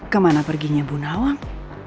kemana perginya bu nawang